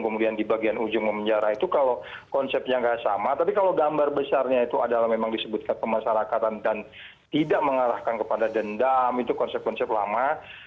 kemudian di bagian ujung memenjara itu kalau konsepnya nggak sama tapi kalau gambar besarnya itu adalah memang disebutkan pemasarakatan dan tidak mengarahkan kepada dendam itu konsep konsep lama